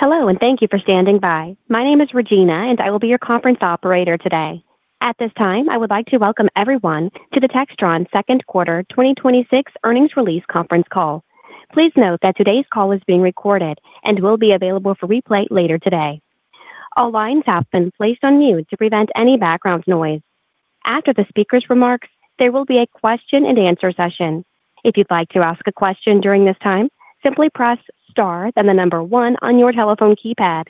Hello, and thank you for standing by. My name is Regina, and I will be your conference operator today. At this time, I would like to welcome everyone to the Textron Second Quarter 2026 Earnings Release Conference Call. Please note that today's call is being recorded and will be available for replay later today. All lines have been placed on mute to prevent any background noise. After the speaker's remarks, there will be a question and answer session. If you'd like to ask a question during this time, simply press star then the number one on your telephone keypad.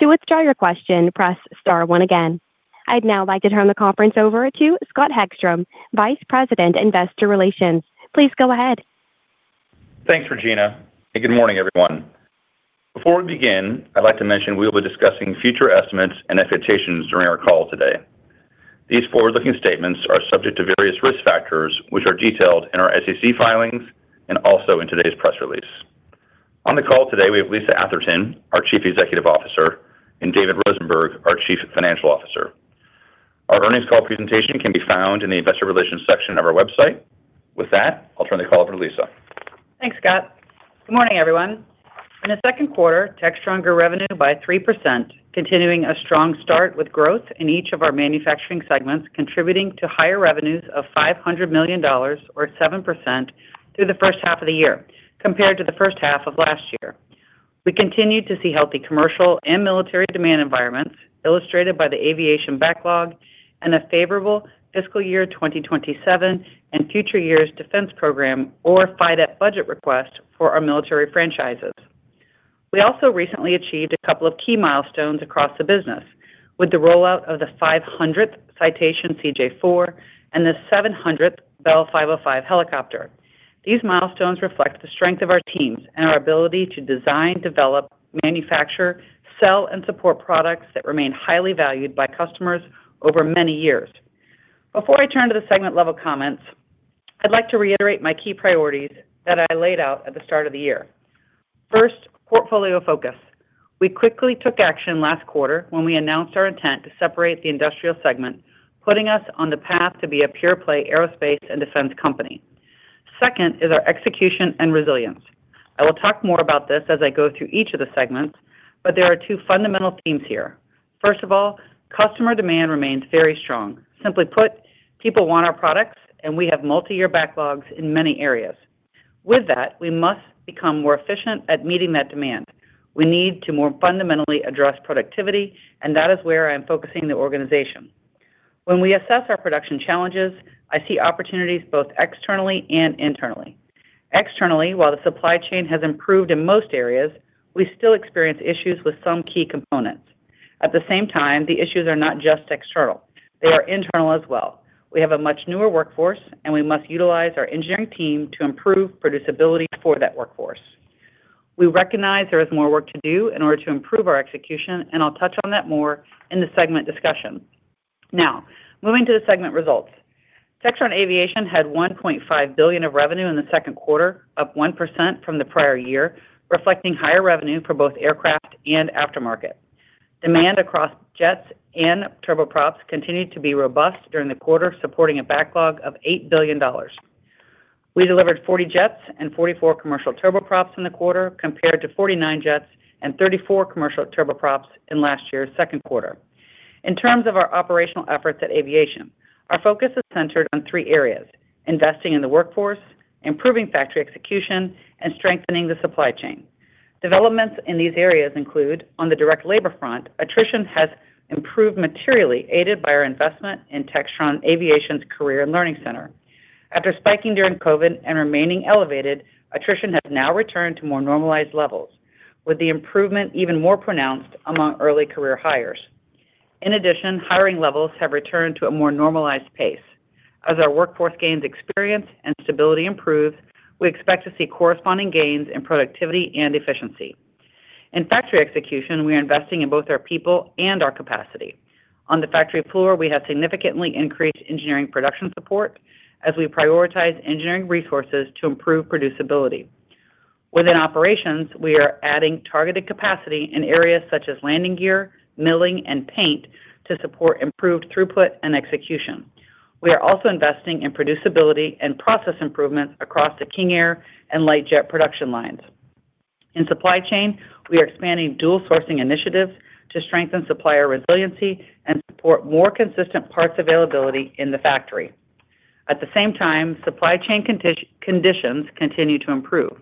To withdraw your question, press star one again. I'd now like to turn the conference over to Scott Hegstrom, Vice President, Investor Relations. Please go ahead. Thanks, Regina, and good morning, everyone. Before we begin, I'd like to mention we'll be discussing future estimates and expectations during our call today. These forward-looking statements are subject to various risk factors, which are detailed in our SEC filings and also in today's press release. On the call today, we have Lisa Atherton, our Chief Executive Officer, and David Rosenberg, our Chief Financial Officer. Our earnings call presentation can be found in the investor relations section of our website. With that, I'll turn the call over to Lisa. Thanks, Scott. Good morning, everyone. In the second quarter, Textron grew revenue by 3%, continuing a strong start with growth in each of our manufacturing segments, contributing to higher revenues of $500 million, or 7% through the first half of the year compared to the first half of last year. We continued to see healthy commercial and military demand environments, illustrated by the aviation backlog and a favorable fiscal year 2027 and future years' defense program or FY budget request for our military franchises. We also recently achieved a couple of key milestones across the business with the rollout of the 500th Citation CJ4 and the 700th Bell 505 helicopter. These milestones reflect the strength of our teams and our ability to design, develop, manufacture, sell, and support products that remain highly valued by customers over many years. Before I turn to the segment-level comments, I'd like to reiterate my key priorities that I laid out at the start of the year. First, portfolio focus. We quickly took action last quarter when we announced our intent to separate the industrial segment, putting us on the path to be a pure-play aerospace and defense company. Second is our execution and resilience. I will talk more about this as I go through each of the segments, but there are two fundamental themes here. First of all, customer demand remains very strong. Simply put, people want our products, and we have multi-year backlogs in many areas. With that, we must become more efficient at meeting that demand. We need to more fundamentally address productivity, and that is where I'm focusing the organization. When we assess our production challenges, I see opportunities both externally and internally. Externally, while the supply chain has improved in most areas, we still experience issues with some key components. At the same time, the issues are not just external. They are internal as well. We have a much newer workforce, and we must utilize our engineering team to improve producibility for that workforce. We recognize there is more work to do in order to improve our execution, and I'll touch on that more in the segment discussion. Now, moving to the segment results. Textron Aviation had $1.5 billion of revenue in the second quarter, up 1% from the prior year, reflecting higher revenue for both aircraft and aftermarket. Demand across jets and turboprops continued to be robust during the quarter, supporting a backlog of $8 billion. We delivered 40 jets and 44 commercial turboprops in the quarter, compared to 49 jets and 34 commercial turboprops in last year's second quarter. In terms of our operational efforts at Aviation, our focus is centered on three areas: investing in the workforce, improving factory execution, and strengthening the supply chain. Developments in these areas include, on the direct labor front, attrition has improved materially, aided by our investment in Textron Aviation's Career and Learning Center. After spiking during COVID and remaining elevated, attrition has now returned to more normalized levels, with the improvement even more pronounced among early career hires. In addition, hiring levels have returned to a more normalized pace. As our workforce gains experience and stability improves, we expect to see corresponding gains in productivity and efficiency. In factory execution, we are investing in both our people and our capacity. On the factory floor, we have significantly increased engineering production support as we prioritize engineering resources to improve producibility. Within operations, we are adding targeted capacity in areas such as landing gear, milling, and paint to support improved throughput and execution. We are also investing in producibility and process improvements across the King Air and light jet production lines. In supply chain, we are expanding dual-sourcing initiatives to strengthen supplier resiliency and support more consistent parts availability in the factory. At the same time, supply chain conditions continue to improve.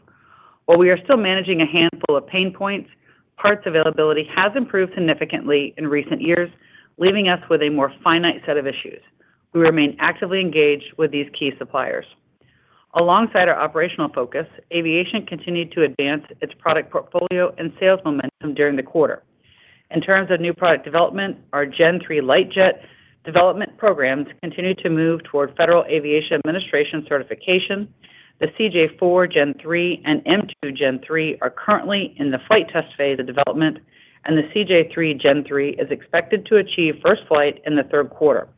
While we are still managing a handful of pain points, parts availability has improved significantly in recent years, leaving us with a more finite set of issues. We remain actively engaged with these key suppliers. Alongside our operational focus, Aviation continued to advance its product portfolio and sales momentum during the quarter. In terms of new product development, our Gen3 light jet development programs continue to move toward Federal Aviation Administration certification. The CJ4 Gen3 and M2 Gen3 are currently in the flight test phase of development, and the CJ3 Gen3 is expected to achieve first flight in the third quarter,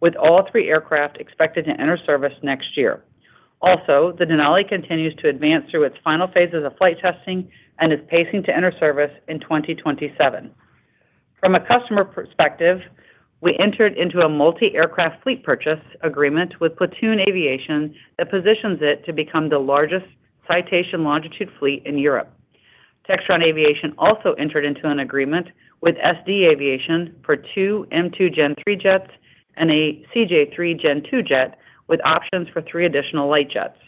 with all three aircraft expected to enter service next year. Also, the Denali continues to advance through its final phases of flight testing and is pacing to enter service in 2027. From a customer perspective, we entered into a multi-aircraft fleet purchase agreement with Platoon Aviation that positions it to become the largest Citation Longitude fleet in Europe. Textron Aviation also entered into an agreement with SD Aviation for two M2 Gen3 jets and a CJ3 Gen 2 jet, with options for three additional light jets.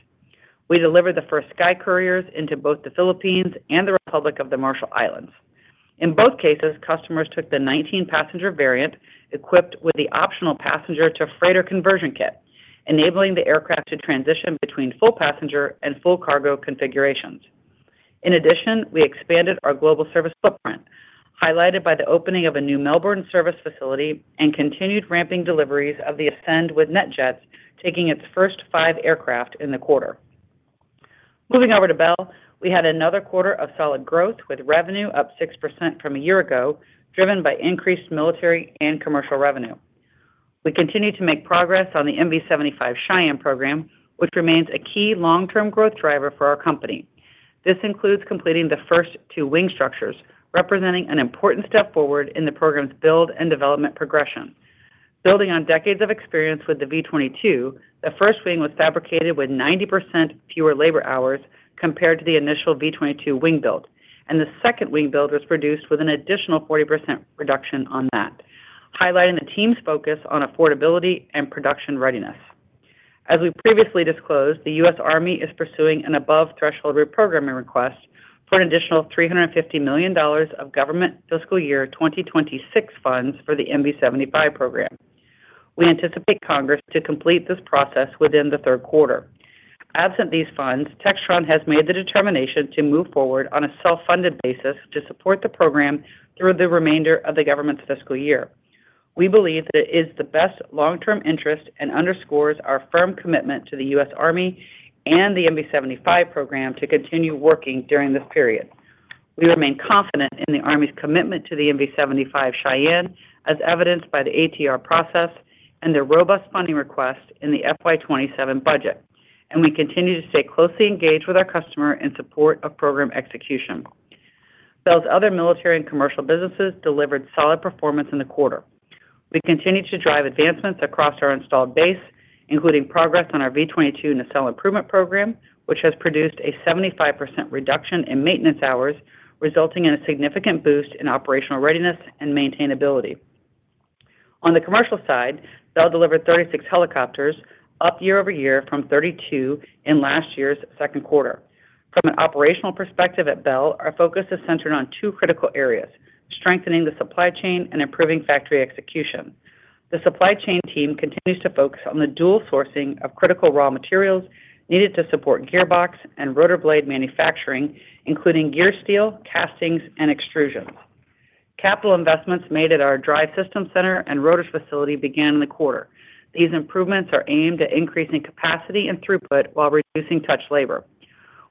We delivered the first SkyCourier into both the Philippines and the Republic of the Marshall Islands. In both cases, customers took the 19-passenger variant equipped with the optional passenger-to-freighter conversion kit, enabling the aircraft to transition between full passenger and full cargo configurations. In addition, we expanded our global service footprint, highlighted by the opening of a new Melbourne service facility and continued ramping deliveries of the Ascend with NetJets taking its first five aircraft in the quarter. Moving over to Bell, we had another quarter of solid growth with revenue up 6% from a year ago, driven by increased military and commercial revenue. We continue to make progress on the MV-75 Cheyenne program, which remains a key long-term growth driver for our company. This includes completing the first two wing structures, representing an important step forward in the program's build and development progression. Building on decades of experience with the V-22, the first wing was fabricated with 90% fewer labor hours compared to the initial V-22 wing build. The second wing build was produced with an additional 40% reduction on that, highlighting the team's focus on affordability and production readiness. As we previously disclosed, the U.S. Army is pursuing an above-threshold reprogramming request for an additional $350 million of government fiscal year 2026 funds for the MV-75 program. We anticipate Congress to complete this process within the third quarter. Absent these funds, Textron has made the determination to move forward on a self-funded basis to support the program through the remainder of the government's fiscal year. We believe that it is the best long-term interest and underscores our firm commitment to the U.S. Army and the MV-75 program to continue working during this period. We remain confident in the U.S. Army's commitment to the MV-75 Cheyenne, as evidenced by the ATR process and their robust funding request in the FY 2027 budget. We continue to stay closely engaged with our customer in support of program execution. Bell's other military and commercial businesses delivered solid performance in the quarter. We continue to drive advancements across our installed base, including progress on our V-22 Nacelle Improvement Program, which has produced a 75% reduction in maintenance hours, resulting in a significant boost in operational readiness and maintainability. On the commercial side, Bell delivered 36 helicopters, up year-over-year from 32 in last year's second quarter. From an operational perspective at Bell, our focus is centered on two critical areas: strengthening the supply chain and improving factory execution. The supply chain team continues to focus on the dual sourcing of critical raw materials needed to support gearbox and rotor blade manufacturing, including gear steel, castings, and extrusions. Capital investments made at our Drive System Center and Rotors facility began in the quarter. These improvements are aimed at increasing capacity and throughput while reducing touch labor.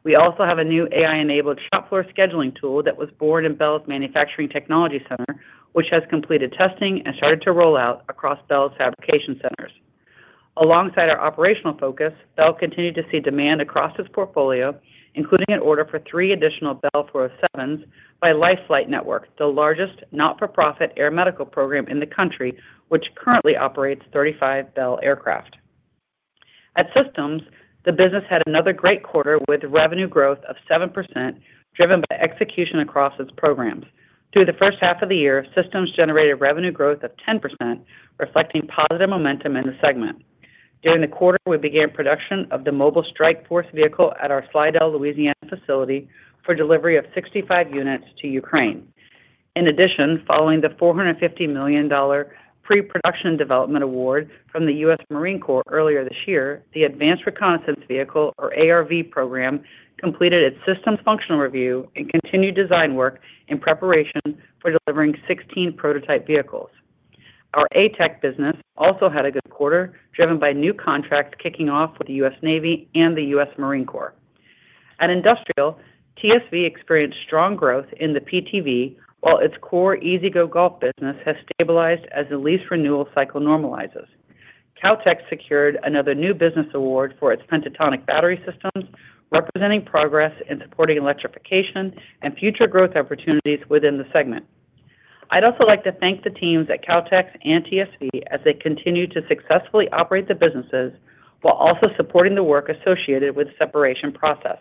We also have a new AI-enabled shop floor scheduling tool that was born in Bell's Manufacturing Technology Center, which has completed testing and started to roll out across Bell's fabrication centers. Alongside our operational focus, Bell continued to see demand across its portfolio, including an order for three additional Bell 407s by Life Flight Network, the largest not-for-profit air medical program in the country, which currently operates 35 Bell aircraft. At Systems, the business had another great quarter with revenue growth of 7%, driven by execution across its programs. Through the first half of the year, Systems generated revenue growth of 10%, reflecting positive momentum in the segment. During the quarter, we began production of the Mobile Strike Force Vehicle at our Slidell, Louisiana facility for delivery of 65 units to Ukraine. In addition, following the $450 million pre-production development award from the U.S. Marine Corps earlier this year, the Advanced Reconnaissance Vehicle, or ARV program, completed its systems functional review and continued design work in preparation for delivering 16 prototype vehicles. Our ATAC business also had a good quarter, driven by new contracts kicking off with the U.S. Navy and the U.S. Marine Corps. At Industrial, TSV experienced strong growth in the PTV, while its core E-Z-GO Golf business has stabilized as the lease renewal cycle normalizes. Kautex secured another new business award for its Pentatonic battery systems, representing progress in supporting electrification and future growth opportunities within the segment. I'd also like to thank the teams at Kautex and TSV as they continue to successfully operate the businesses while also supporting the work associated with the separation process.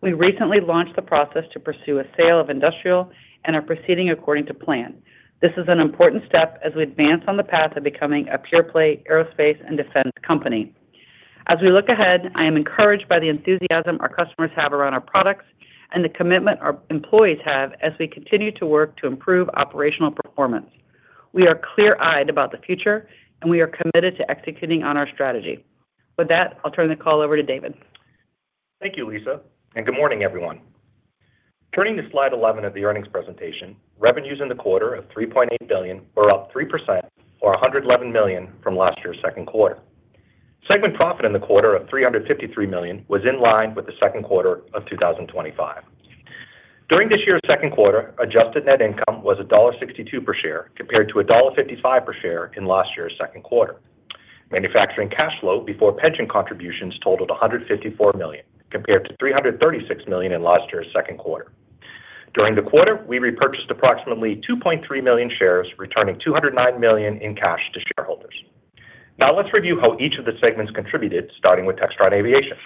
We recently launched the process to pursue a sale of Industrial and are proceeding according to plan. This is an important step as we advance on the path of becoming a pure-play aerospace and defense company. As we look ahead, I am encouraged by the enthusiasm our customers have around our products and the commitment our employees have as we continue to work to improve operational performance. We are clear-eyed about the future, we are committed to executing on our strategy. With that, I'll turn the call over to David. Thank you, Lisa, and good morning, everyone. Turning to slide 11 of the earnings presentation, revenues in the quarter of $3.8 billion were up 3%, or $111 million from last year's second quarter. Segment profit in the quarter of $353 million was in line with the second quarter of 2025. During this year's second quarter, adjusted net income was $1.62 per share, compared to $1.55 per share in last year's second quarter. Manufacturing cash flow before pension contributions totaled $154 million, compared to $336 million in last year's second quarter. During the quarter, we repurchased approximately 2.3 million shares, returning $209 million in cash to shareholders. Now let's review how each of the segments contributed, starting with Textron Aviation.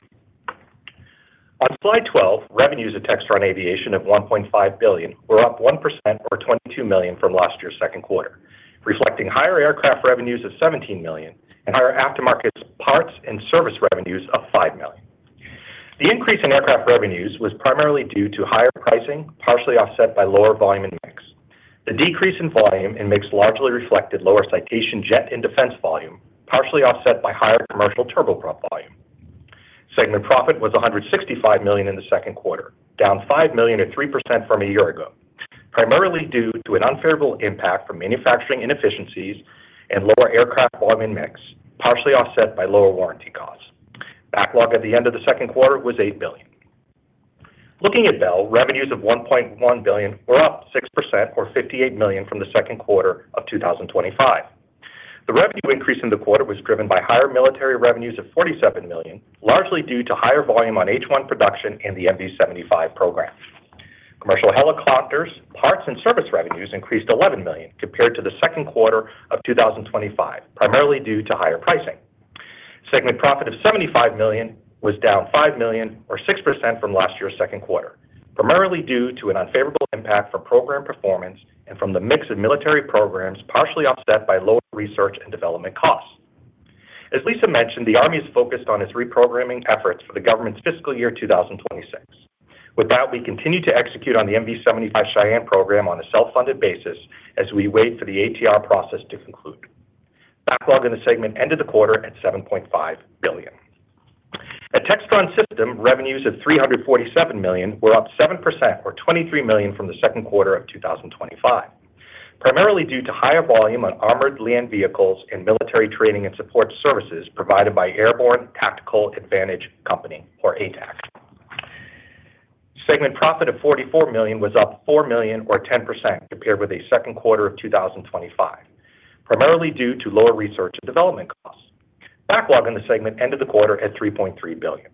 On slide 12, revenues at Textron Aviation of $1.5 billion were up 1% or $22 million from last year's second quarter, reflecting higher aircraft revenues of $17 million and higher aftermarket parts and service revenues of $5 million. The increase in aircraft revenues was primarily due to higher pricing, partially offset by lower volume and mix. The decrease in volume and mix largely reflected lower Citation Jet and Defense volume, partially offset by higher commercial turboprop volume. Segment profit was $165 million in the second quarter, down $5 million or 3% from a year ago, primarily due to an unfavorable impact from manufacturing inefficiencies and lower aircraft volume mix, partially offset by lower warranty costs. Backlog at the end of the second quarter was $8 billion. Looking at Bell, revenues of $1.1 billion were up 6% or $58 million from the second quarter of 2025. The revenue increase in the quarter was driven by higher military revenues of $47 million, largely due to higher volume on H-1 production and the MV-75 program. Commercial helicopters, parts, and service revenues increased $11 million compared to the second quarter of 2025, primarily due to higher pricing. Segment profit of $75 million was down $5 million or 6% from last year's second quarter, primarily due to an unfavorable impact from program performance and from the mix of military programs, partially offset by lower research and development costs. As Lisa mentioned, the Army is focused on its reprogramming efforts for the government's fiscal year 2026. With that, we continue to execute on the MV-75 Cheyenne program on a self-funded basis as we wait for the ATR process to conclude. Backlog in the segment ended the quarter at $7.5 billion. At Textron Systems, revenues of $347 million were up 7% or $23 million from the second quarter of 2025, primarily due to higher volume on armored land vehicles and military training and support services provided by Airborne Tactical Advantage Company, or ATAC. Segment profit of $44 million was up $4 million or 10% compared with the second quarter of 2025, primarily due to lower research and development costs. Backlog in the segment ended the quarter at $3.3 billion.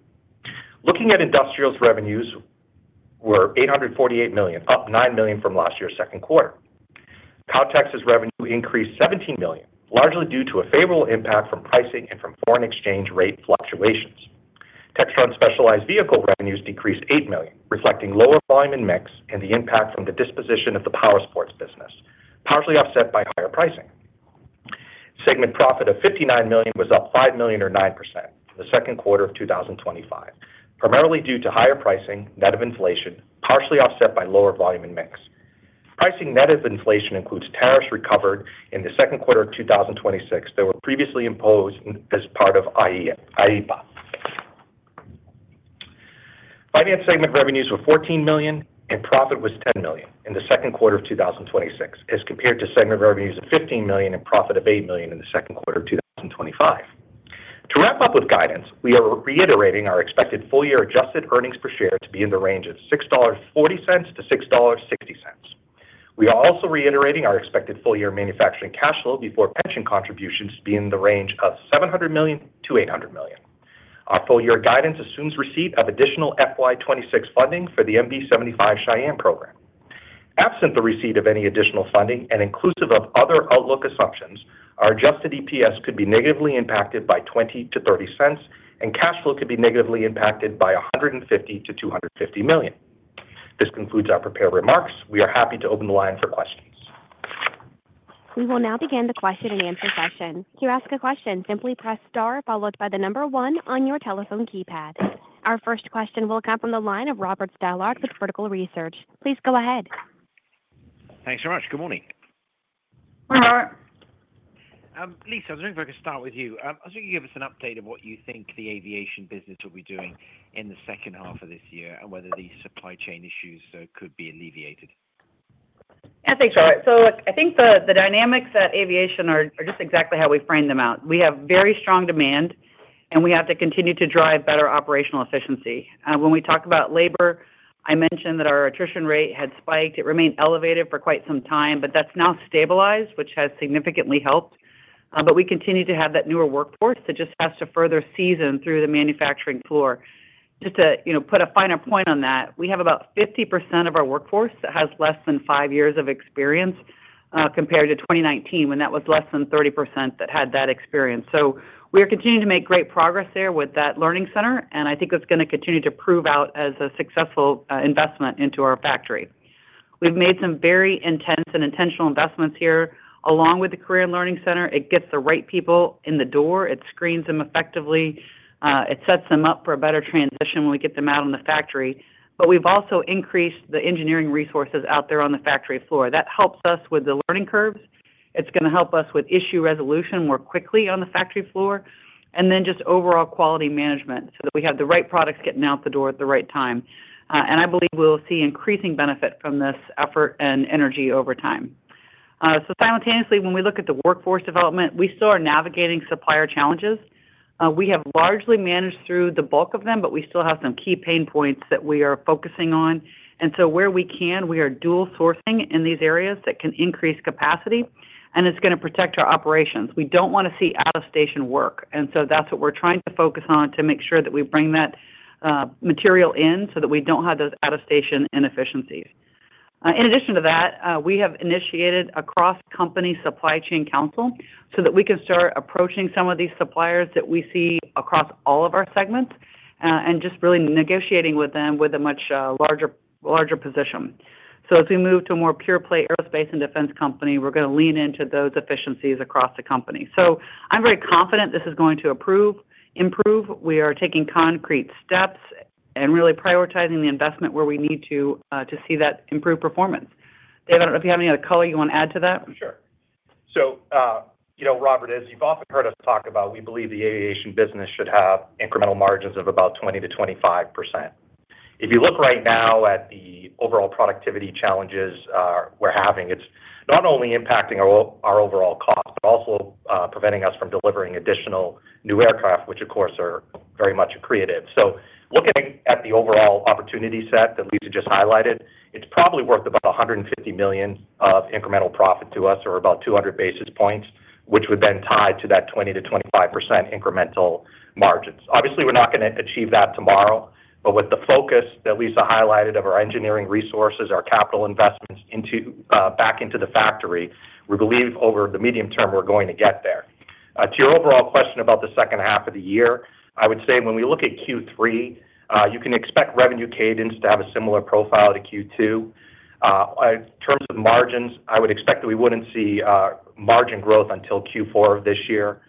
Looking at industrials, revenues were $848 million, up $9 million from last year's second quarter. Kautex's revenue increased $17 million, largely due to a favorable impact from pricing and from foreign exchange rate fluctuations. Textron's specialized vehicle revenues decreased $8 million, reflecting lower volume and mix and the impact from the disposition of the powersports business, partially offset by higher pricing. Segment profit of $59 million was up $5 million or 9% in the second quarter of 2025, primarily due to higher pricing net of inflation, partially offset by lower volume and mix. Pricing net of inflation includes tariffs recovered in the second quarter of 2026 that were previously imposed as part of IEEPA. Finance segment revenues were $14 million, and profit was $10 million in the second quarter of 2026 as compared to segment revenues of $15 million and profit of $8 million in the second quarter of 2025. To wrap up with guidance, we are reiterating our expected full-year adjusted earnings per share to be in the range of $6.40-$6.60. We are also reiterating our expected full-year manufacturing cash flow before pension contributions to be in the range of $700 million-$800 million. Our full-year guidance assumes receipt of additional FY 2026 funding for the MV-75 Cheyenne program. Absent the receipt of any additional funding and inclusive of other outlook assumptions, our adjusted EPS could be negatively impacted by $0.20-$0.30, and cash flow could be negatively impacted by $150 million-$250 million. This concludes our prepared remarks. We are happy to open the line for questions. We will now begin the question and answer session. To ask a question, simply press star followed by the number one on your telephone keypad. Our first question will come from the line of Robert Stallard with Vertical Research. Please go ahead. Thanks much. Good morning. Morning, Robert. Lisa, I was wondering if I could start with you. I was wondering if you could give us an update of what you think the aviation business will be doing in the second half of this year, and whether these supply chain issues could be alleviated. Thanks, Robert. Look, I think the dynamics at Aviation are just exactly how we framed them out. We have very strong demand, and we have to continue to drive better operational efficiency. When we talk about labor, I mentioned that our attrition rate had spiked. It remained elevated for quite some time, but that's now stabilized, which has significantly helped. We continue to have that newer workforce that just has to further season through the manufacturing floor. Just to put a finer point on that, we have about 50% of our workforce that has less than five years of experience, compared to 2019 when that was less than 30% that had that experience. We are continuing to make great progress there with that Learning Center, and I think that's going to continue to prove out as a successful investment into our factory. We've made some very intense and intentional investments here along with the Career and Learning Center. It gets the right people in the door. It screens them effectively. It sets them up for a better transition when we get them out on the factory. We've also increased the engineering resources out there on the factory floor. That helps us with the learning curves. It's going to help us with issue resolution more quickly on the factory floor, and then just overall quality management so that we have the right products getting out the door at the right time. I believe we'll see increasing benefit from this effort and energy over time. Simultaneously, when we look at the workforce development, we still are navigating supplier challenges. We have largely managed through the bulk of them, but we still have some key pain points that we are focusing on. Where we can, we are dual sourcing in these areas that can increase capacity, and it's going to protect our operations. We don't want to see out-of-station work, that's what we're trying to focus on to make sure that we bring that material in so that we don't have those out-of-station inefficiencies. In addition to that, we have initiated a cross-company supply chain council so that we can start approaching some of these suppliers that we see across all of our segments, and just really negotiating with them with a much larger position. As we move to a more pure play aerospace and defense company, we're going to lean into those efficiencies across the company. I'm very confident this is going to improve. We are taking concrete steps and really prioritizing the investment where we need to see that improved performance. Dave, I don't know if you have any other color you want to add to that? Sure. Robert, as you've often heard us talk about, we believe the aviation business should have incremental margins of about 20%-25%. If you look right now at the overall productivity challenges we're having, it's not only impacting our overall cost, but also preventing us from delivering additional new aircraft, which of course are very much accretive. Looking at the overall opportunity set that Lisa just highlighted, it's probably worth about $150 million of incremental profit to us, or about 200 basis points, which would then tie to that 20%-25% incremental margins. Obviously, we're not going to achieve that tomorrow, but with the focus that Lisa highlighted of our engineering resources, our capital investments back into the factory, we believe over the medium term, we're going to get there. To your overall question about the second half of the year, I would say when we look at Q3, you can expect revenue cadence to have a similar profile to Q2. In terms of margins, I would expect that we wouldn't see margin growth until Q4 of this year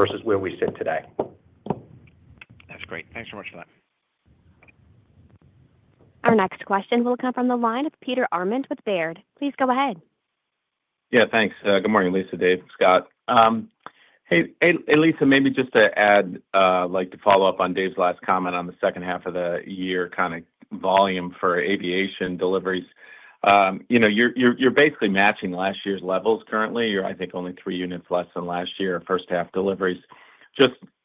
versus where we sit today. That's great. Thanks so much for that. Our next question will come from the line of Peter Arment with Baird. Please go ahead. Thanks. Good morning, Lisa, Dave, Scott. Hey, Lisa, maybe just to add, to follow up on Dave's last comment on the second half of the year volume for aviation deliveries. You're basically matching last year's levels currently. You're, I think, only three units less than last year, first half deliveries.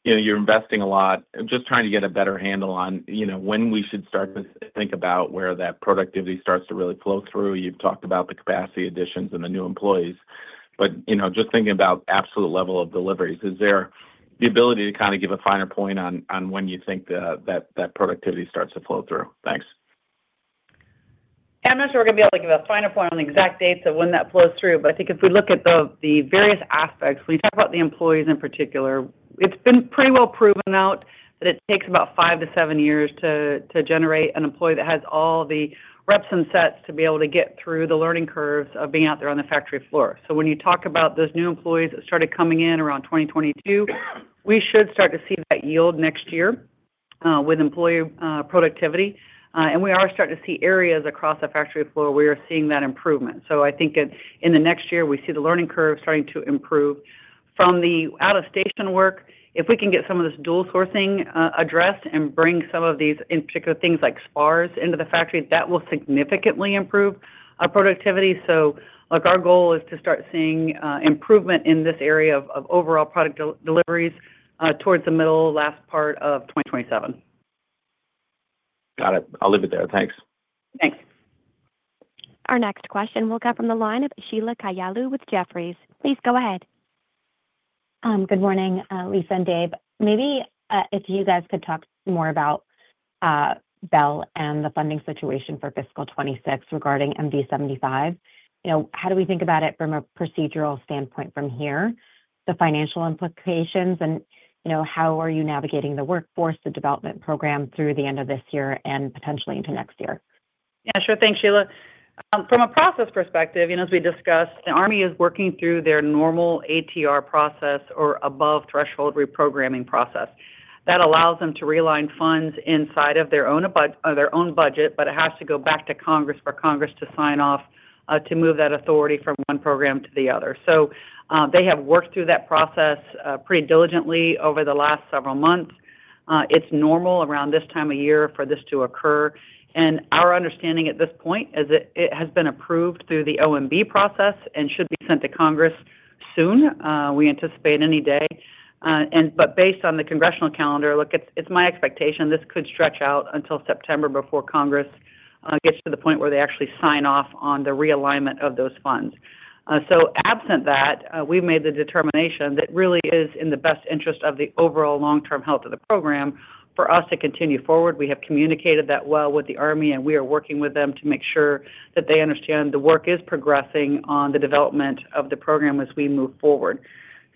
You're investing a lot. Trying to get a better handle on when we should start to think about where that productivity starts to really flow through. You've talked about the capacity additions and the new employees, but thinking about absolute level of deliveries, is there the ability to give a finer point on when you think that productivity starts to flow through? Thanks. I'm not sure we're going to be able to give a finer point on the exact dates of when that flows through. I think if we look at the various aspects, when you talk about the employees in particular, it's been pretty well proven out that it takes about five to seven years to generate an employee that has all the reps and sets to be able to get through the learning curves of being out there on the factory floor. When you talk about those new employees that started coming in around 2022, we should start to see that yield next year, with employee productivity. We are starting to see areas across the factory floor, we are seeing that improvement. I think in the next year, we see the learning curve starting to improve. From the out-of-station work, if we can get some of this dual sourcing addressed and bring some of these, in particular things like spars into the factory, that will significantly improve our productivity. Our goal is to start seeing improvement in this area of overall product deliveries towards the middle, last part of 2027. Got it. I'll leave it there. Thanks. Thanks. Our next question will come from the line of Sheila Kahyaoglu with Jefferies. Please go ahead. Good morning, Lisa and Dave. If you guys could talk more about Bell and the funding situation for fiscal 2026 regarding MV-75. How do we think about it from a procedural standpoint from here, the financial implications, and how are you navigating the workforce, the development program through the end of this year and potentially into next year? Sure. Thanks, Sheila. From a process perspective, as we discussed, the Army is working through their normal ATR process or above-threshold reprogramming process. It allows them to realign funds inside of their own budget, it has to go back to Congress for Congress to sign off to move that authority from one program to the other. They have worked through that process pretty diligently over the last several months. It's normal around this time of year for this to occur, and our understanding at this point is that it has been approved through the OMB process and should be sent to Congress soon. We anticipate any day. Based on the Congressional calendar, it's my expectation this could stretch out until September before Congress gets to the point where they actually sign off on the realignment of those funds. Absent that, we've made the determination that really is in the best interest of the overall long-term health of the program for us to continue forward. We have communicated that well with the Army, we are working with them to make sure that they understand the work is progressing on the development of the program as we move forward.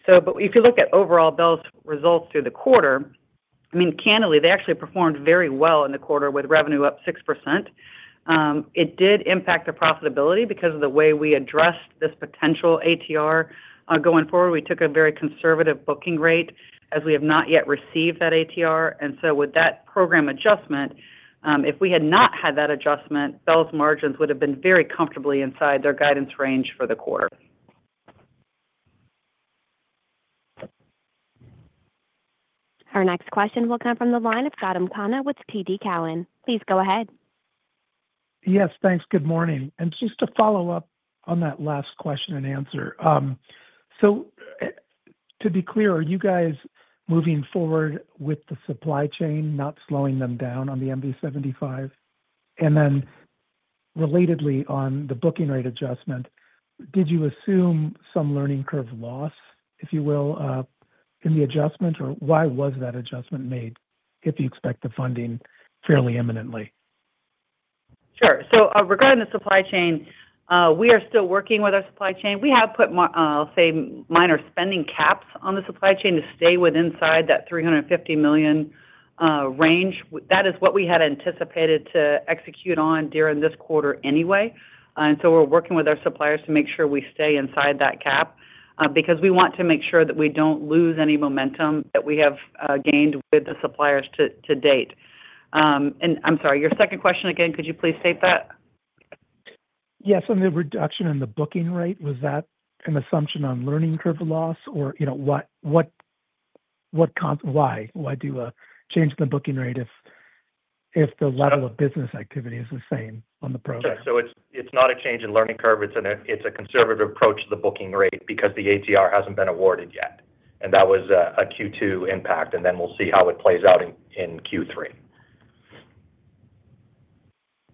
If you look at overall Bell's results through the quarter, candidly, they actually performed very well in the quarter with revenue up 6%. It did impact their profitability because of the way we addressed this potential ATR. Going forward, we took a very conservative booking rate as we have not yet received that ATR. With that program adjustment, if we had not had that adjustment, Bell's margins would have been very comfortably inside their guidance range for the quarter. Our next question will come from the line of Gautam Khanna with TD Cowen. Please go ahead. Yes, thanks. Good morning. Just to follow up on that last question and answer. To be clear, are you guys moving forward with the supply chain, not slowing them down on the MV-75? Relatedly, on the booking rate adjustment, did you assume some learning curve loss, if you will, in the adjustment, or why was that adjustment made if you expect the funding fairly imminently? Sure. Regarding the supply chain, we are still working with our supply chain. We have put, say, minor spending caps on the supply chain to stay within that $350 million range. That is what we had anticipated to execute on during this quarter anyway. We're working with our suppliers to make sure we stay inside that cap, because we want to make sure that we don't lose any momentum that we have gained with the suppliers to date. I'm sorry, your second question again, could you please state that? Yes. On the reduction in the booking rate, was that an assumption on learning curve loss? Why do a change in the booking rate if the level of business activity is the same on the program? It's not a change in learning curve. It's a conservative approach to the booking rate because the ATR hasn't been awarded yet. That was a Q2 impact, we'll see how it plays out in Q3.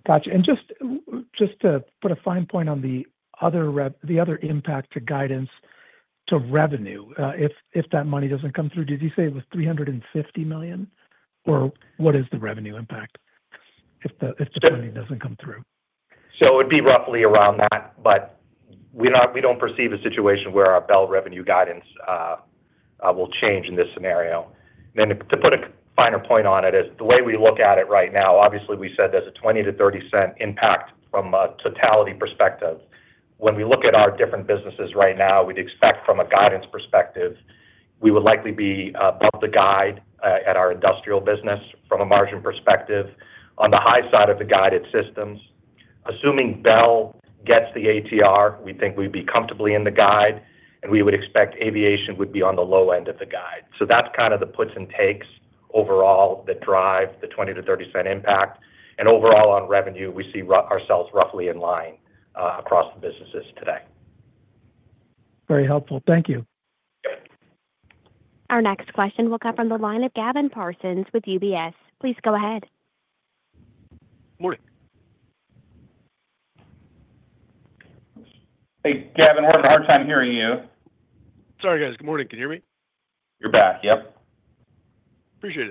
Got you. Just to put a fine point on the other impact to guidance to revenue, if that money doesn't come through, did you say it was $350 million, or what is the revenue impact if the money doesn't come through? It would be roughly around that. We don't perceive a situation where our Bell revenue guidance will change in this scenario. To put a finer point on it, is the way we look at it right now, obviously, we said there's a 20%-30% impact from a totality perspective. When we look at our different businesses right now, we'd expect from a guidance perspective, we would likely be above the guide at our industrial business from a margin perspective. On the high side of the guided systems, assuming Bell gets the ATR, we think we'd be comfortably in the guide, and we would expect aviation would be on the low end of the guide. That's kind of the puts and takes overall that drive the 20%-30% impact, and overall on revenue, we see ourselves roughly in line across the businesses today. Very helpful. Thank you. Yep. Our next question will come from the line of Gavin Parsons with UBS. Please go ahead. Morning. Hey, Gavin, we're having a hard time hearing you. Sorry, guys. Good morning. Can you hear me? You're back, yep. Appreciate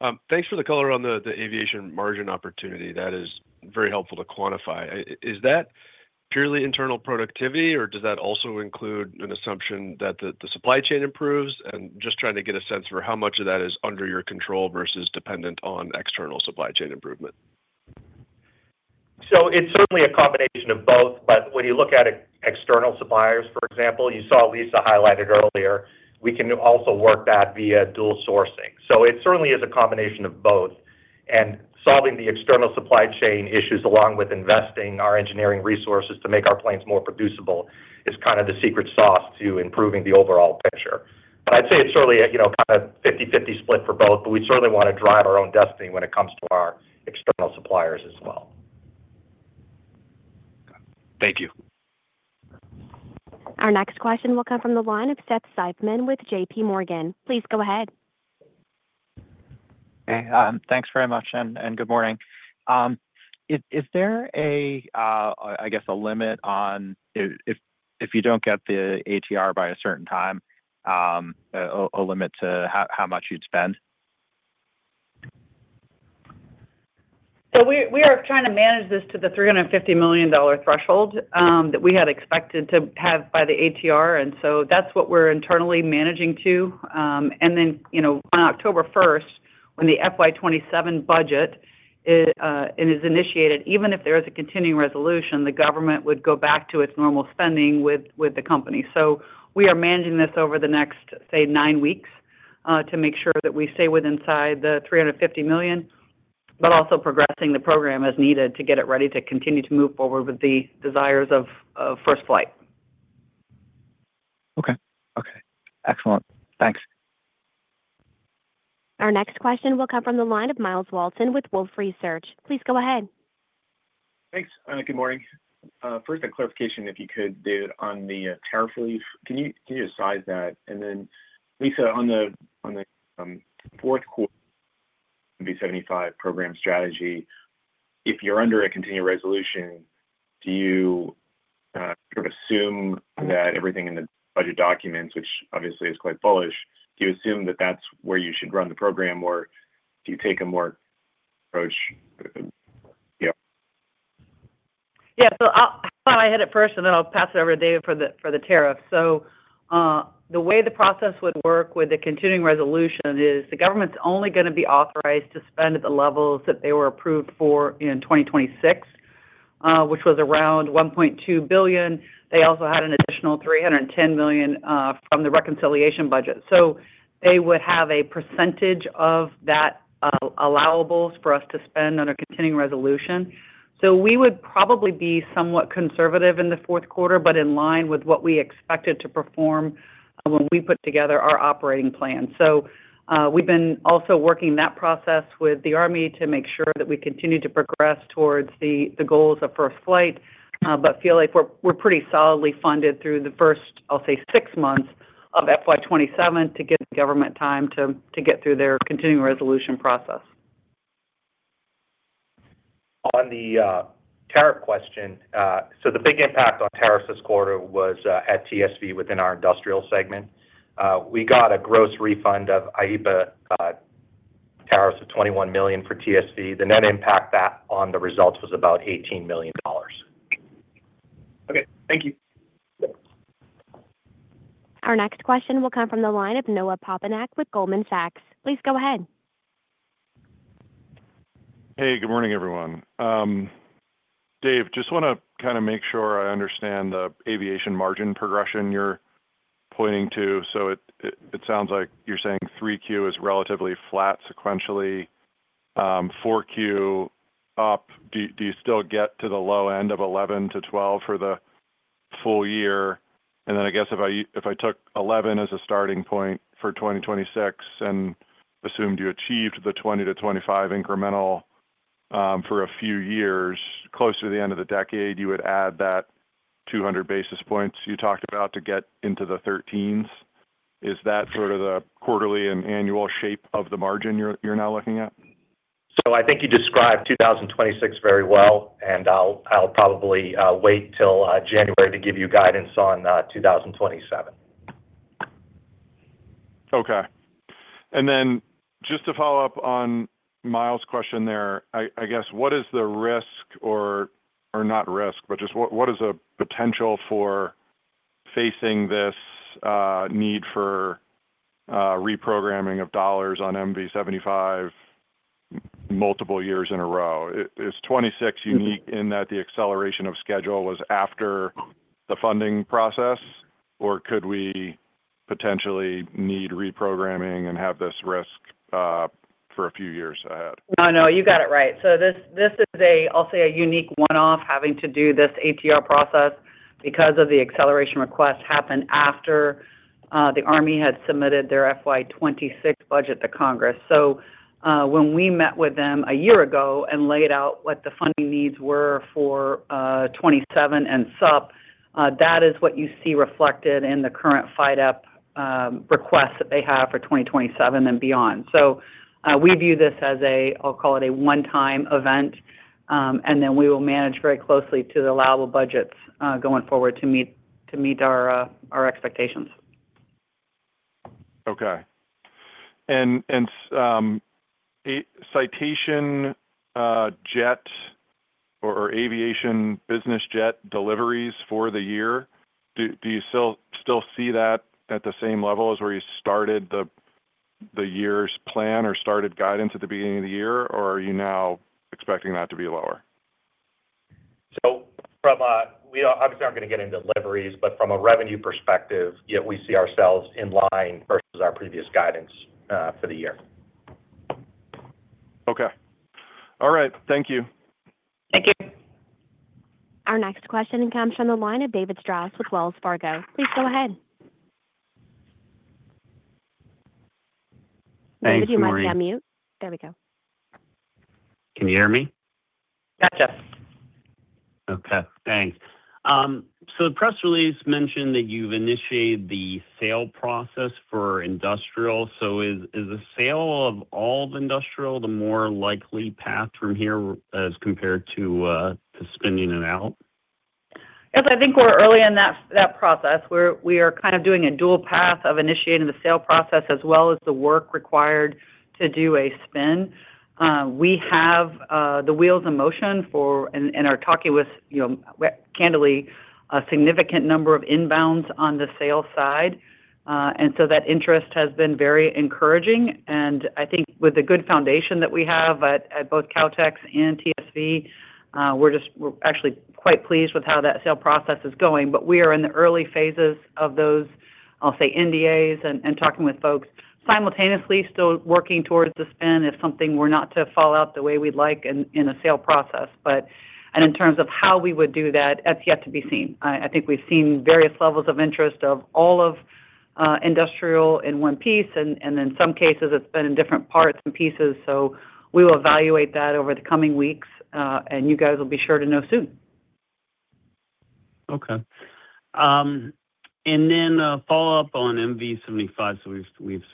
it. Thanks for the color on the aviation margin opportunity. That is very helpful to quantify. Is that purely internal productivity, or does that also include an assumption that the supply chain improves? Just trying to get a sense for how much of that is under your control versus dependent on external supply chain improvement. It's certainly a combination of both, but when you look at external suppliers, for example, you saw Lisa highlighted earlier, we can also work that via dual sourcing. It certainly is a combination of both, and solving the external supply chain issues along with investing our engineering resources to make our planes more producible is kind of the secret sauce to improving the overall picture. I'd say it's certainly a 50/50 split for both, but we certainly want to drive our own destiny when it comes to our external suppliers as well. Thank you. Our next question will come from the line of Seth Seifman with JPMorgan. Please go ahead. Hey, thanks very much, and good morning. Is there a limit on if you don't get the ATR by a certain time, a limit to how much you'd spend? We are trying to manage this to the $350 million threshold that we had expected to have by the ATR, that's what we're internally managing to. On October 1st, when the FY 2027 budget is initiated, even if there is a continuing resolution, the government would go back to its normal spending with the company. We are managing this over the next, say, nine weeks, to make sure that we stay within the $350 million, but also progressing the program as needed to get it ready to continue to move forward with the desires of first flight. Okay. Excellent. Thanks. Our next question will come from the line of Myles Walton with Wolfe Research. Please go ahead. Thanks. Good morning. First, a clarification if you could, Dave, on the tariff relief. Can you just size that? Lisa, on the fourth quarter MV-75 program strategy, if you're under a continuing resolution, do you assume that everything in the budget documents, which obviously is quite bullish, do you assume that that's where you should run the program or do you take a more approach? Yeah. Yeah. I thought I'd hit it first and then I'll pass it over to Dave for the tariff. The way the process would work with the continuing resolution is the government's only going to be authorized to spend at the levels that they were approved for in 2026, which was around $1.2 billion. They also had an additional $310 million from the reconciliation budget. They would have a percentage of that allowables for us to spend on a continuing resolution. We would probably be somewhat conservative in the fourth quarter, but in line with what we expected to perform when we put together our operating plan. We've been also working that process with the Army to make sure that we continue to progress towards the goals of first flight, but feel like we're pretty solidly funded through the first, I'll say six months of FY 2027 to give the government time to get through their continuing resolution process. On the tariff question, the big impact on tariffs this quarter was at TSV within our industrial segment. We got a gross refund of IEEPA tariffs of $21 million for TSV. The net impact that on the results was about $18 million. Okay. Thank you. Our next question will come from the line of Noah Poponak with Goldman Sachs. Please go ahead. Hey, good morning, everyone. Dave, just want to make sure I understand the aviation margin progression you're pointing to. It sounds like you're saying 3Q is relatively flat sequentially, 4Q up. Do you still get to the low end of 11%-12% for the full year? I guess if I took 11% as a starting point for 2026 and assumed you achieved the 20 to 25 incremental for a few years, closer to the end of the decade, you would add that 200 basis points you talked about to get into the 13s. Is that sort of the quarterly and annual shape of the margin you're now looking at? I think you described 2026 very well, I'll probably wait till January to give you guidance on 2027. Okay. Then just to follow up on Myles' question there, I guess, what is the risk, or not risk, but just what is a potential for facing this need for reprogramming of dollars on MV-75 multiple years in a row? Is 2026 unique in that the acceleration of schedule was after the funding process, or could we potentially need reprogramming and have this risk for a few years ahead? No, you got it right. This is, I'll say, a unique one-off, having to do this ATR process because of the acceleration request happened after the Army had submitted their FY 2026 budget to Congress. When we met with them a year ago and laid out what the funding needs were for 2027 and sub, that is what you see reflected in the current FYDP requests that they have for 2027 and beyond. We view this as a, I'll call it, a one-time event, and then we will manage very closely to the allowable budgets going forward to meet our expectations. Okay. Citation jet or aviation business jet deliveries for the year, do you still see that at the same level as where you started the year's plan or started guidance at the beginning of the year, or are you now expecting that to be lower? We obviously aren't going to get into deliveries, but from a revenue perspective, we see ourselves in line versus our previous guidance for the year. Okay. All right. Thank you. Thank you. Our next question comes from the line of David Strauss with Wells Fargo. Please go ahead. Thanks. David, you might be on mute. There we go. Can you hear me? Gotcha. Okay, thanks. The press release mentioned that you've initiated the sale process for Industrial. Is the sale of all of Industrial the more likely path from here as compared to spinning it out? Yes, I think we're early in that process, where we are kind of doing a dual path of initiating the sale process as well as the work required to do a spin. We have the wheels in motion for, and are talking with candidly a significant number of inbounds on the sales side. That interest has been very encouraging, and I think with the good foundation that we have at both Kautex and TSV, we're actually quite pleased with how that sale process is going. We are in the early phases of those, I'll say NDAs and talking with folks simultaneously still working towards the spin if something were not to fall out the way we'd like in a sale process. In terms of how we would do that's yet to be seen. I think we've seen various levels of interest of all of industrial in one piece, and in some cases, it's been in different parts and pieces. We will evaluate that over the coming weeks, and you guys will be sure to know soon. Okay. Then a follow-up on MV-75.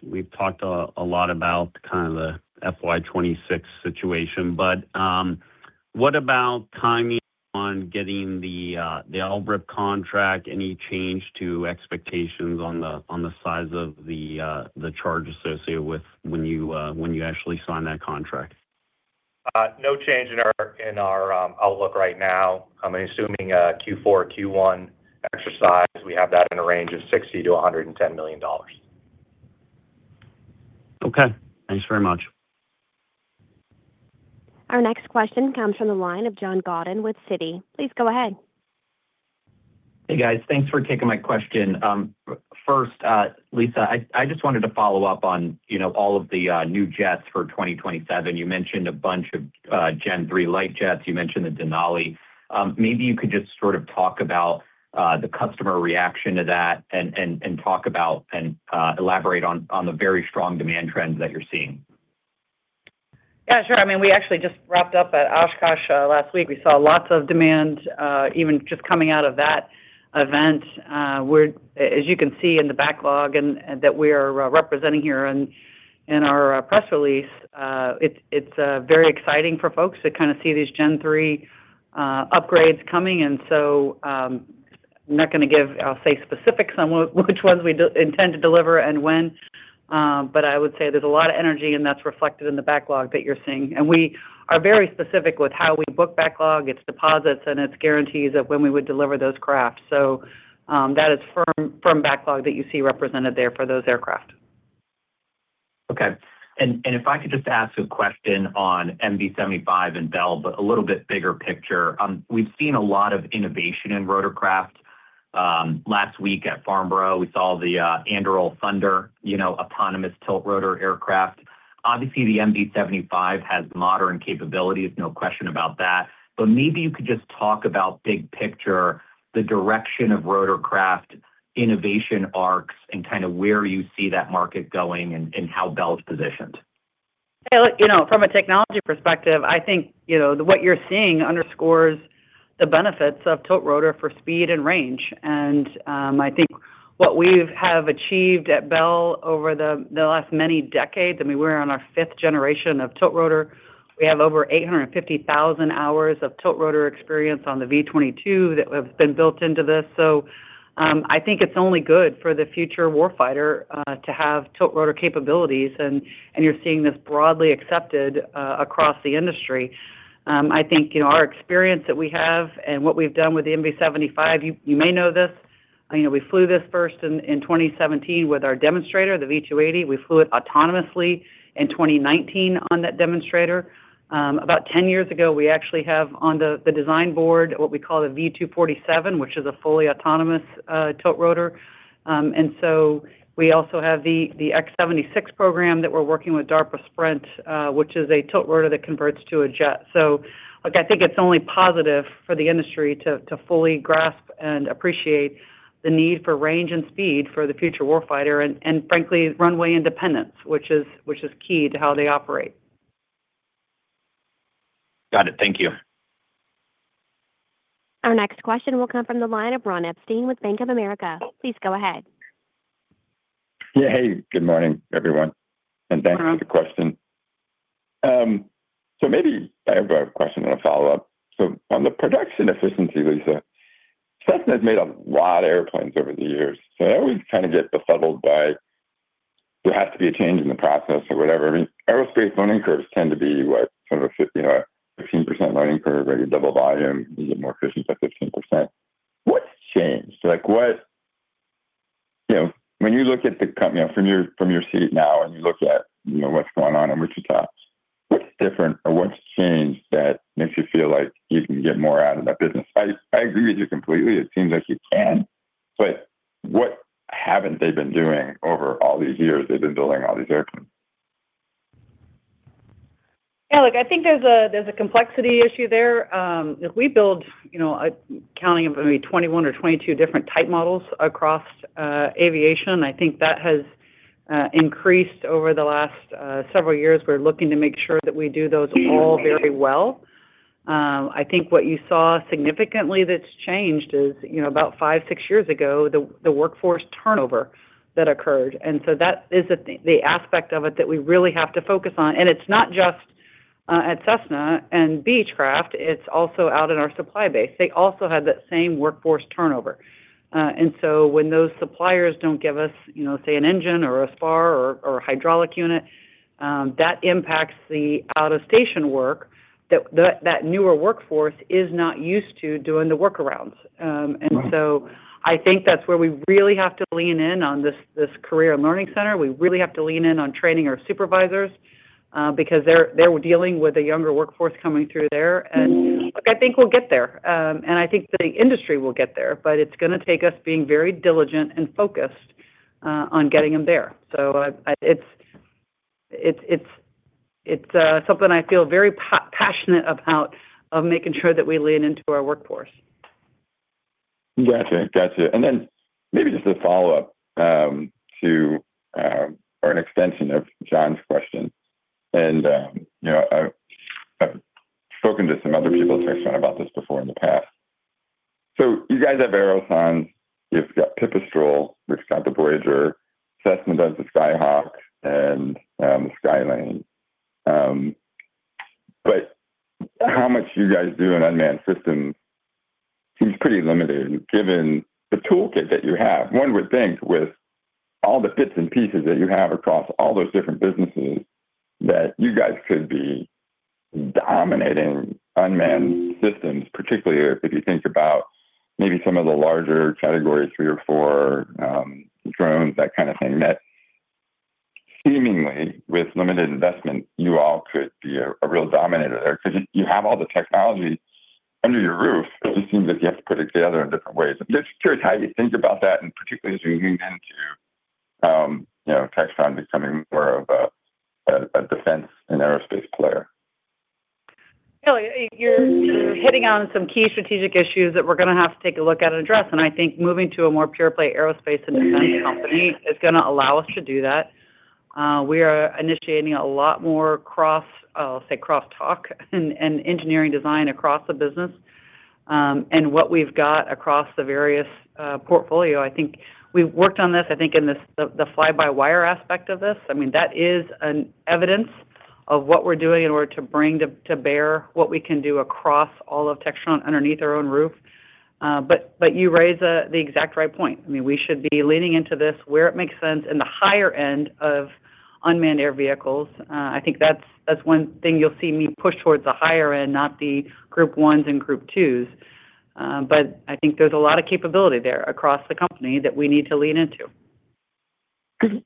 We've talked a lot about kind of the FY 2026 situation, but what about timing on getting the LRIP contract? Any change to expectations on the size of the charge associated with when you actually sign that contract? No change in our outlook right now. I'm assuming Q4, Q1 exercise, we have that in a range of $60 million to $110 million. Okay. Thanks very much. Our next question comes from the line of John Godden with Citi. Please go ahead. Hey guys, thanks for taking my question. First, Lisa, I just wanted to follow up on all of the new jets for 2027. You mentioned a bunch of Gen 3 light jets. You mentioned the Denali. Maybe you could just sort of talk about the customer reaction to that and talk about, and elaborate on the very strong demand trends that you're seeing. Yeah, sure. We actually just wrapped up at Oshkosh last week. We saw lots of demand, even just coming out of that event, where as you can see in the backlog that we are representing here and in our press release, it's very exciting for folks to kind of see these Gen 3 upgrades coming. I'm not going to give, I'll say, specifics on which ones we intend to deliver and when. I would say there's a lot of energy, and that's reflected in the backlog that you're seeing. We are very specific with how we book backlog. It's deposits, and it's guarantees of when we would deliver those crafts. That is firm from backlog that you see represented there for those aircraft. Okay. If I could just ask a question on MV-75 and Bell, but a little bit bigger picture. We've seen a lot of innovation in rotorcraft. Last week at Farnborough, we saw the Anduril Thunder autonomous tiltrotor aircraft. Obviously, the MV-75 has modern capabilities, no question about that. Maybe you could just talk about big picture, the direction of rotorcraft innovation arcs, and kind of where you see that market going and how Bell's positioned. From a technology perspective, I think what you're seeing underscores the benefits of tiltrotor for speed and range. I think what we have achieved at Bell over the last many decades, we're on our fifth generation of tiltrotor. We have over 850,000 hours of tiltrotor experience on the V-22 that has been built into this. I think it's only good for the future warfighter to have tiltrotor capabilities and you're seeing this broadly accepted across the industry. I think our experience that we have and what we've done with the MV-75, you may know this, we flew this first in 2017 with our demonstrator, the V-280. We flew it autonomously in 2019 on that demonstrator. About 10 years ago, we actually have on the design board what we call the V-247, which is a fully autonomous tiltrotor. We also have the X-76 program that we're working with DARPA SPRINT, which is a tiltrotor that converts to a jet. I think it's only positive for the industry to fully grasp and appreciate the need for range and speed for the future warfighter and frankly, runway independence, which is key to how they operate. Got it. Thank you. Our next question will come from the line of Ron Epstein with Bank of America. Please go ahead. Yeah. Hey, good morning, everyone, and thanks for the question. Maybe I have a question and a follow-up. On the production efficiency, Lisa, Cessna's made a lot of airplanes over the years, so I always kind of get befuddled by there has to be a change in the process or whatever. Aerospace learning curves tend to be what, sort of a 15% learning curve, or you double volume, you get more efficient by 15%. What's changed? When you look at the company from your seat now, and you look at what's going on in Wichita, what's different, or what's changed that makes you feel like you can get more out of that business? I agree with you completely. It seems like you can. What haven't they been doing over all these years they've been building all these airplanes? Yeah, look, I think there's a complexity issue there. If we build, counting up, maybe 21 or 22 different type models across aviation, I think that has increased over the last several years. We're looking to make sure that we do those all very well. I think what you saw significantly that's changed is, about five, six years ago, the workforce turnover that occurred. That is the aspect of it that we really have to focus on, and it's not just at Cessna and Beechcraft, it's also out in our supply base. They also had that same workforce turnover. When those suppliers don't give us, say, an engine or a spar or a hydraulic unit, that impacts the out-of-station work that that newer workforce is not used to doing the workarounds. I think that's where we really have to lean in on this career learning center. We really have to lean in on training our supervisors, because they're dealing with a younger workforce coming through there, and look, I think we'll get there. I think the industry will get there, but it's going to take us being very diligent and focused on getting them there. It's something I feel very passionate about, of making sure that we lean into our workforce. Got you. Then maybe just a follow-up to, or an extension of John's question. I've spoken to some other people at Textron about this before in the past. You guys have Aerion, you've got Pipistrel, which got the Voyager. Cessna does the Skyhawk and the Skylane. How much do you guys do in unmanned systems? Seems pretty limited given the toolkit that you have. One would think with all the bits and pieces that you have across all those different businesses, that you guys could be dominating unmanned systems, particularly if you think about maybe some of the larger category three or four drones, that kind of thing, that seemingly, with limited investment, you all could be a real dominator there because you have all the technology under your roof. It just seems like you have to put it together in different ways. I'm just curious how you think about that, and particularly as you lean into Textron becoming more of a defense and aerospace player. You're hitting on some key strategic issues that we're going to have to take a look at and address, and I think moving to a more pure-play aerospace and defense company is going to allow us to do that. We are initiating a lot more, I'll say, crosstalk and engineering design across the business. What we've got across the various portfolio, I think we've worked on this, I think in the fly-by-wire aspect of this. That is an evidence of what we're doing in order to bring to bear what we can do across all of Textron underneath our own roof. You raise the exact right point. We should be leaning into this where it makes sense in the higher end of unmanned air vehicles. I think that's one thing you'll see me push towards the higher end, not the group 1s and group 2s. I think there's a lot of capability there across the company that we need to lean into.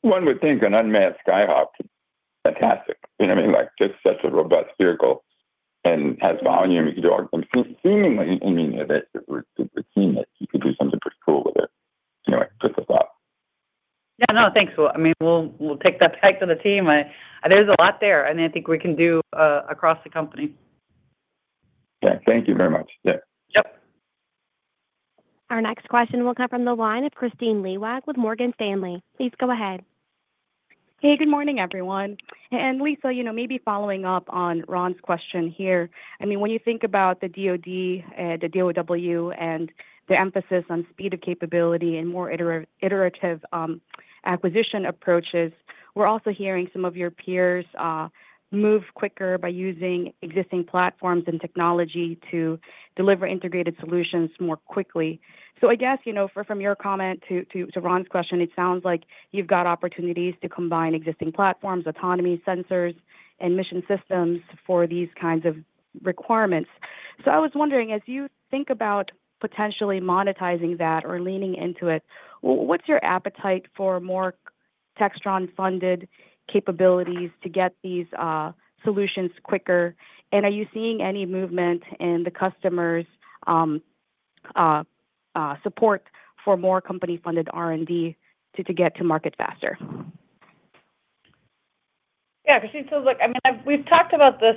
One would think an unmanned Skyhawk, fantastic. Just such a robust vehicle and has volume, you could do seemingly with it, if we're to presume that you could do something pretty cool with it. Anyway, just a thought. Yeah. No, thanks. We'll take that back to the team. There's a lot there, and I think we can do across the company. Yeah. Thank you very much. Yep. Our next question will come from the line of Kristine Liwag with Morgan Stanley. Please go ahead. Hey, good morning, everyone. Lisa, maybe following up on Ron's question here. When you think about the DoD, the DoW, and the emphasis on speed of capability and more iterative acquisition approaches, we're also hearing some of your peers move quicker by using existing platforms and technology to deliver integrated solutions more quickly. I guess, from your comment to Ron's question, it sounds like you've got opportunities to combine existing platforms, autonomy sensors, and mission systems for these kinds of requirements. I was wondering, as you think about potentially monetizing that or leaning into it, what's your appetite for more Textron-funded capabilities to get these solutions quicker? Are you seeing any movement in the customer's support for more company-funded R&D to get to market faster? Yeah, Kristine. Look, we've talked about this,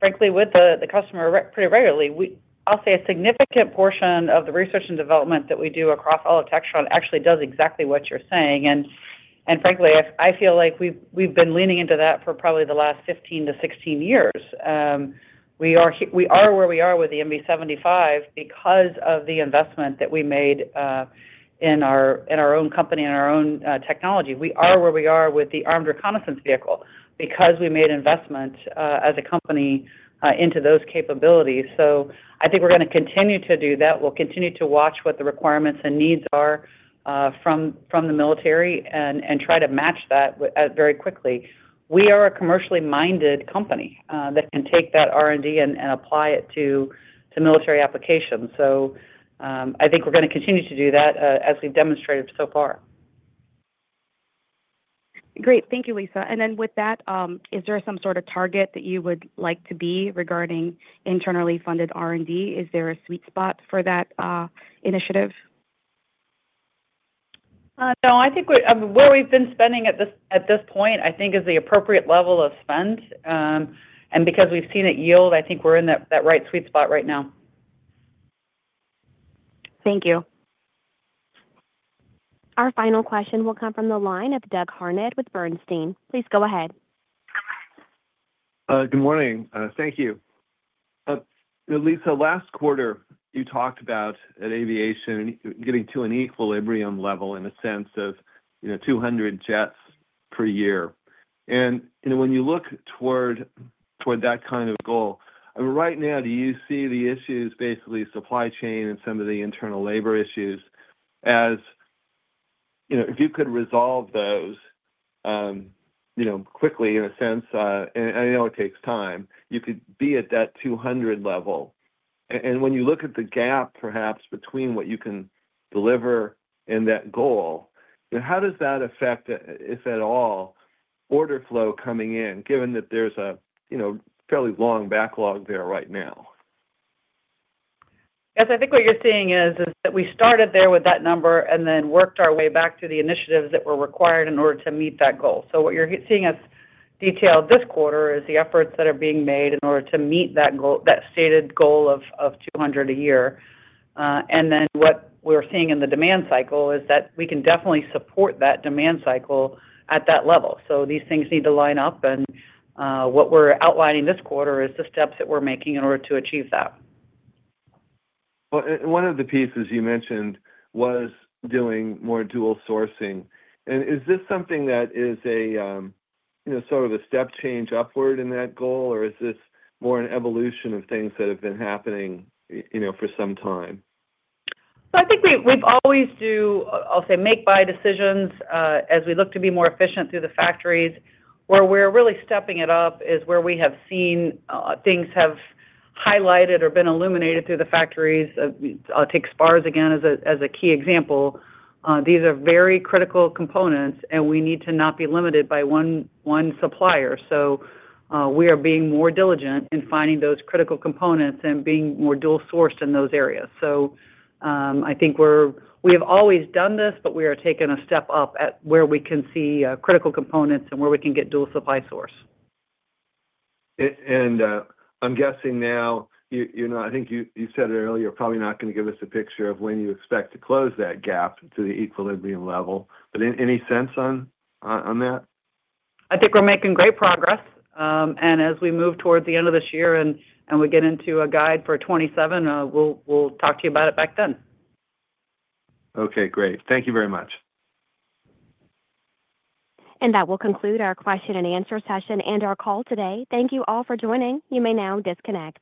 frankly, with the customer pretty regularly. I'll say a significant portion of the research and development that we do across all of Textron actually does exactly what you're saying. Frankly, I feel like we've been leaning into that for probably the last 15 to 16 years. We are where we are with the MV-75 because of the investment that we made in our own company and our own technology. We are where we are with the Advanced Reconnaissance Vehicle because we made investments as a company into those capabilities. I think we're going to continue to do that. We'll continue to watch what the requirements and needs are from the military, and try to match that very quickly. We are a commercially-minded company that can take that R&D and apply it to military applications. I think we're going to continue to do that as we've demonstrated so far. Great. Thank you, Lisa. Then with that, is there some sort of target that you would like to be regarding internally funded R&D? Is there a sweet spot for that initiative? No, I think where we've been spending at this point, I think is the appropriate level of spend. Because we've seen it yield, I think we're in that right sweet spot right now. Thank you. Our final question will come from the line of Doug Harned with Bernstein. Please go ahead. Good morning. Thank you. Lisa, last quarter you talked about at Aviation, getting to an equilibrium level in the sense of 200 jets per year. When you look toward that kind of goal, right now, do you see the issues, basically supply chain and some of the internal labor issues as if you could resolve those quickly in a sense, and I know it takes time, you could be at that 200 level. When you look at the gap, perhaps between what you can deliver and that goal, how does that affect, if at all, order flow coming in, given that there's a fairly long backlog there right now? Yes, I think what you're seeing is that we started there with that number and then worked our way back to the initiatives that were required in order to meet that goal. What you're seeing us detail this quarter is the efforts that are being made in order to meet that stated goal of 200 a year. What we're seeing in the demand cycle is that we can definitely support that demand cycle at that level. These things need to line up, and what we're outlining this quarter is the steps that we're making in order to achieve that. Is this something that is a step change upward in that goal, or is this more an evolution of things that have been happening for some time? I think we always do, I'll say make buy decisions, as we look to be more efficient through the factories. Where we're really stepping it up is where we have seen things have highlighted or been illuminated through the factories. I'll take spars again as a key example. These are very critical components, and we need to not be limited by one supplier. We are being more diligent in finding those critical components and being more dual sourced in those areas. I think we have always done this, but we are taking a step up at where we can see critical components and where we can get dual supply source. I'm guessing now, I think you said earlier, you're probably not going to give us a picture of when you expect to close that gap to the equilibrium level. Any sense on that? I think we're making great progress. As we move towards the end of this year and we get into a guide for 2027, we'll talk to you about it back then. Okay, great. Thank you very much. That will conclude our question and answer session and our call today. Thank you all for joining. You may now disconnect.